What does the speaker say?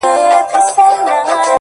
چي په مزار بغلان کابل کي به دي ياده لرم،